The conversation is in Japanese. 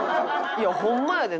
いやホンマやで。